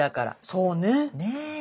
そうね。ね。